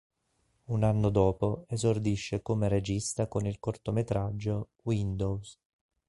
Un anno dopo esordisce come regista con il cortometraggio "Windows".